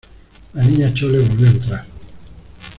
la Niña Chole volvió a entrar.